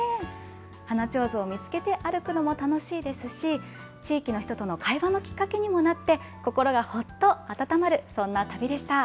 花ちょうずを見つけて歩くのも楽しいですし、地域の人との会話のきっかけにもなって、心がほっと温まる、そんな旅でした。